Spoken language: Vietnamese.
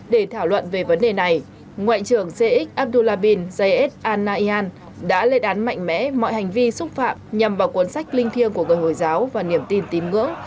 để thảo luận về vấn đề này ngoại trưởng sheikh abdullah bin zayed al nahyan đã lệ đán mạnh mẽ mọi hành vi xúc phạm nhằm vào cuốn sách linh thiêng của người hồi giáo và niềm tin tín ngưỡng